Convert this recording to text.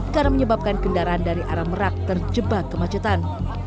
karena menyebabkan kendaraan dari arah merak terjebak kemacetan